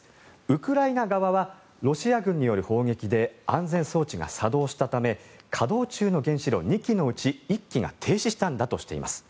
ウクライナ側はロシア軍による砲撃で安全装置が作動したため稼働中の原子炉２基のうち１基が停止したんだとしています。